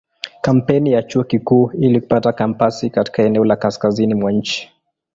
Kampeni ya Chuo Kikuu ili kupata kampasi katika eneo la kaskazini mwa nchi.